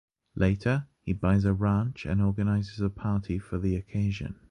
Later, he buys a ranch and organizes a party for the occasion.